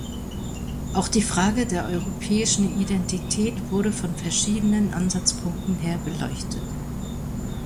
Auch die Frage der europäischen Identität wurde von verschiedenen Ansatzpunkten her beleuchtet.